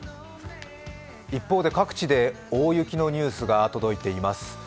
一方で各地で大雪のニュースが届いています。